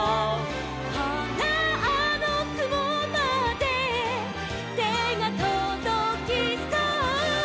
「ほらあのくもまでてがとどきそう」